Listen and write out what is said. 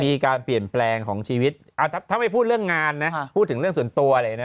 มีการเปลี่ยนแปลงของชีวิตถ้าไม่พูดเรื่องงานนะพูดถึงเรื่องส่วนตัวเลยนะ